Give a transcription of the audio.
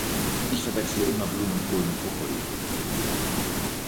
Ich verwechsle immer Blumenkohl mit Brokkoli.